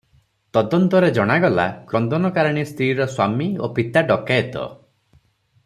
ତଦନ୍ତରେ ଜଣାଗଲା, କ୍ରନ୍ଦନକାରିଣୀ ସ୍ତ୍ରୀର ସ୍ୱାମୀ ଓ ପିତା ଡକାଏତ ।